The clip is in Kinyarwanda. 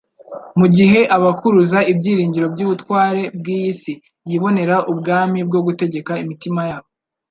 Mu gihe abakuruza ibyiringiro by'ubutware bw'iyi si, yibonera ubwami bwo gutegeka imitima yabo.